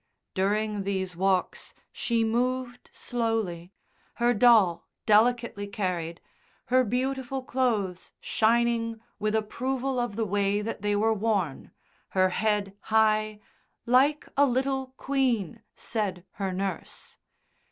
During these walks she moved slowly, her doll delicately carried, her beautiful clothes shining with approval of the way that they were worn, her head high, "like a little queen," said her nurse.